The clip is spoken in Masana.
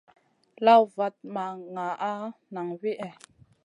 Lawna vat ma nʼgaana nang wihè.